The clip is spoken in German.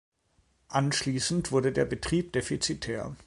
Anschließend wurde der Betrieb defizitär.